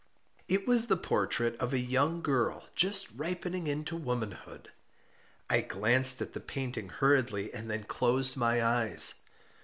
It was the portrait of a young girl just ripening into womanhood. I glanced at the painting hurriedly, and then closed my eyes.